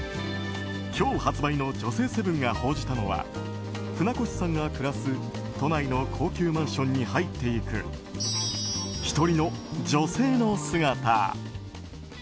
今日発売の「女性セブン」が報じたのは船越さんが暮らす都内の高級マンションに入っていく１人の女性の姿。